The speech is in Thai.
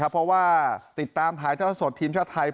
เพราะว่าติดตามหาเจ้าสดทีมชาติไทย